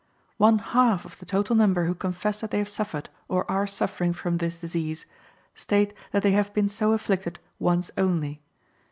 One half of the total number who confess that they have suffered or are suffering from this disease, state that they have been so afflicted once only.